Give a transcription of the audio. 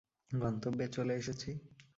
গন্তব্যে চলে এসেছি।